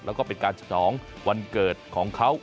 แล้วก็เป็นการฉลองวันเกิดของเขา